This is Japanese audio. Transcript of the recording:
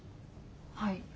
はい。